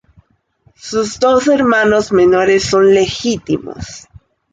Sus dos hermanos menores son legítimos.